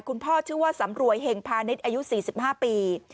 คุณพ่อชื่อว่าสำรวยเฮงพาณิชย์อายุ๔๕ปี